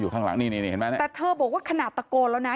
แต่เธอบอกว่าขนาดตะโกนแล้วนะ